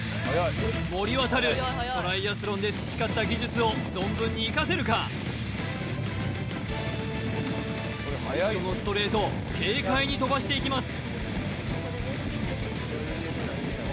森渉トライアスロンで培った技術を存分に生かせるか最初のストレート軽快に飛ばしていきます